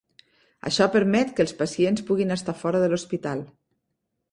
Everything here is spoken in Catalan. Això permet que els pacients puguin estar fora de l'hospital.